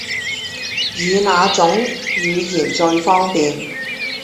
以那種語言最方便？